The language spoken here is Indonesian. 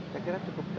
saya kira cukup